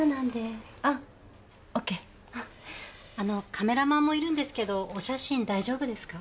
カメラマンもいるんですけどお写真大丈夫ですか？